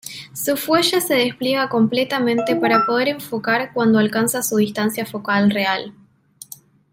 Su fuelle se despliega completamente para poder enfocar cuando alcanza su distancia focal real.